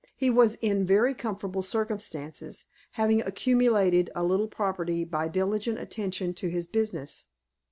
He was in very comfortable circumstances, having accumulated a little property by diligent attention to his business.